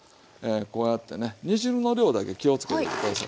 こうやってね煮汁の量だけ気をつけといて下さい。